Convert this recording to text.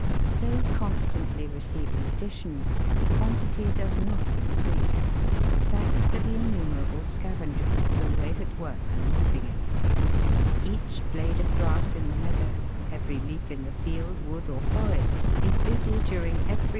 Though constantly receiving additions, the quantity does not increase, thanks to the innumerable scavengers always at work removing it. Each blade of grass in the meadow, every leaf in the field, wood, or forest is busy during every * Hydrogen is 14^ times lighter than air.